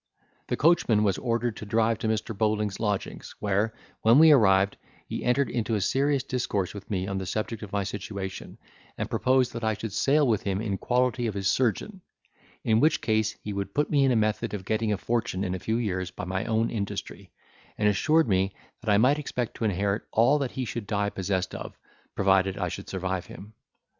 The coachman was ordered to drive to Mr. Bowling's lodgings, where, when we arrived, he entered into a serious discourse with me, on the subject of my situation, and proposed that I should sail with him in quality of his surgeon; in which case he would put me in a method of getting a fortune in a few years by my own industry; and assured me, that I might expect to inherit all that he should die possessed of, provided I should survive him.